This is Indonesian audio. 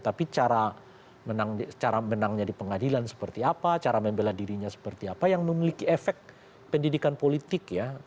tapi cara menangnya di pengadilan seperti apa cara membela dirinya seperti apa yang memiliki efek pendidikan politik ya